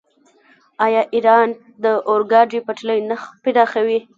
آیا ایران د اورګاډي پټلۍ نه پراخوي؟